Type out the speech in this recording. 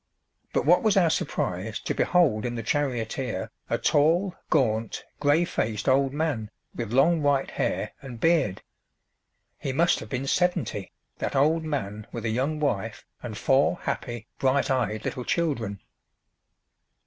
But what was our surprise to behold in the charioteer a tall, gaunt, grey faced old man with long white hair and beard! He must have been seventy, that old man with a young wife and four happy bright eyed little children!